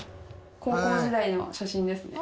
高校時代の写真ですね。